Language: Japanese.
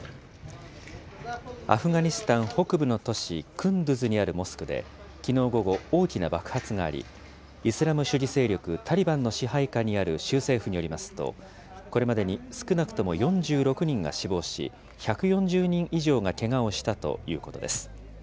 アフガニスタン北部の都市クンドゥズにあるモスクできのう午後、大きな爆発があり、イスラム主義勢力タリバンの支配下にある州政府によりますと、これまでに少なくとも４６人が死亡し、１４０人以上がけがをしたということです。